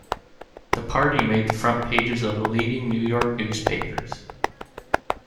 The party made the front pages of the leading New York newspapers.